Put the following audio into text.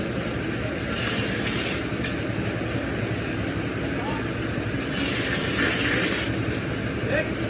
จากเมื่อเวลาเกิดขึ้นมันกลายเป้าหมาย